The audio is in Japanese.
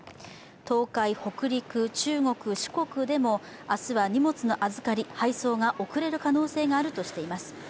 東海、北陸、中国、四国でも明日は荷物の預かり、配送が遅れる可能性があるとしています。